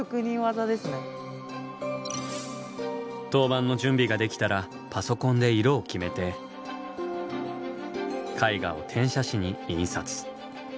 陶板の準備ができたらパソコンで色を決めて絵画を転写紙に印刷。